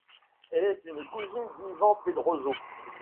Elle est une cousine d'Iván Pedroso.